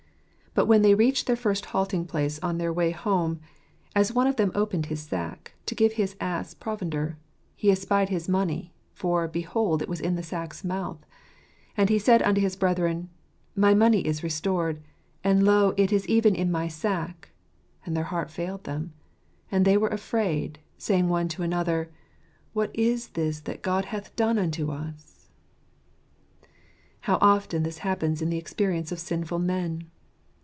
But when they reached their first halting place on their way i home, "as one of them opened his sack to give his ass provender, he espied his money; for, behold, it was m the sack's mouth; and he said unto his brethren, My money is restored ; and 16 it is even in my sack : and their heart failed them, and they were afraid, saying , one to another, j What is this that God hath done unto us ?" How often this happens in the experience of sinful men!